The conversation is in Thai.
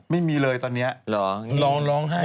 ไม่มีเลยตอนเนี่ยลองให้